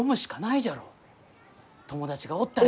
友達がおったら。